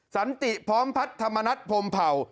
สันติพร้อมพัฒน์ธรรมนัฐพรมเผ่า